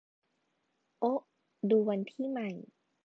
โอ๊ะ ดูวันที่ใหม่